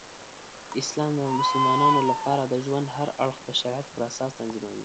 اسلام د مسلمانانو لپاره د ژوند هر اړخ د شریعت پراساس تنظیموي.